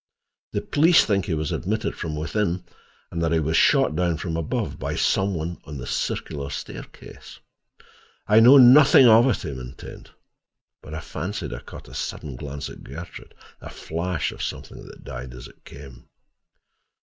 The police think he was admitted from within, and that he was shot down from above, by someone on the circular staircase." "I know nothing of it," he maintained; but I fancied I caught a sudden glance at Gertrude, a flash of something that died as it came.